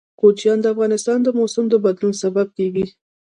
کوچیان د افغانستان د موسم د بدلون سبب کېږي.